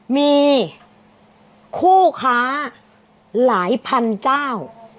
มีคู่ค้าหลายพันเจ้า